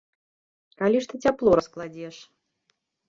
Калі ж ты цяпло раскладзеш?